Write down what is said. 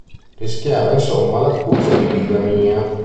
Rischiava insomma l'accusa di bigamia.